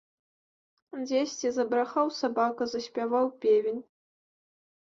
Дзесьці забрахаў сабака, заспяваў певень.